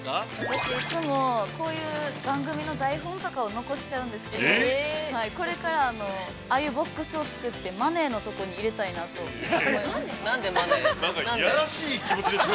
◆私、いつもこういう番組の台本とかを残しちゃうんですけど、これから、ああいうボックスを作って、マネーのところに入れたいなと思います。